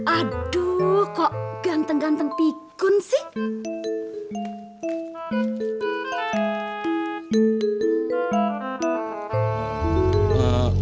aduh kok ganteng ganteng pikun sih